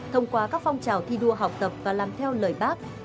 thông qua các phong trào thi đua học tập và làm theo lời bác